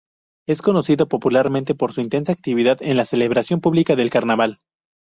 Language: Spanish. Es conocido popularmente por su intensa actividad en la celebración pública del carnaval.